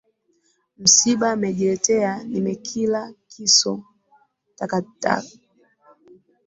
Msiba mejiletea, nimekila kiso takata,